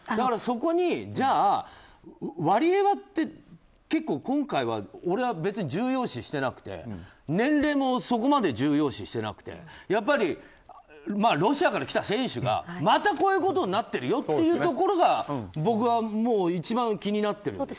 そこに、じゃあワリエワって結構、今回は俺は別に重要視していないくて年齢もそこまで重要視してなくてやっぱりロシアから来た選手がまたこういうことになってるよっていうことが僕はもう一番気になってる。